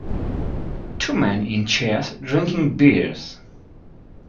Two men in chairs drinking beers.